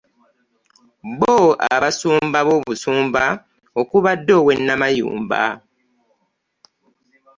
Bo abasumba b'Obusumba okubadde ow'e Namayumba